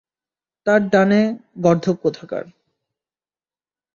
তার ডানে, গর্দভ কোথাকার।